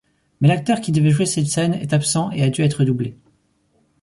Mais l'acteur qui devait jouer cette scène est absent et a dû être doublé.